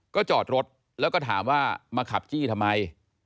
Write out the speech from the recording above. ก็จอดรถแล้วก็ถามว่ามาขับจี้ทำไม